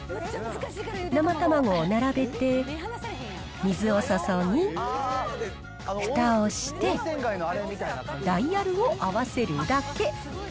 生卵を並べて、水を注ぎ、ふたをして、ダイヤルを合わせるだけ。